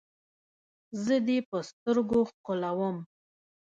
زه دې په سترګو ښکلوم.